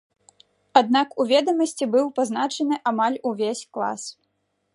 Аднак у ведамасці быў пазначаны амаль увесь клас.